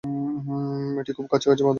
এটির খুব কাছাকাছি মাধব মন্দির।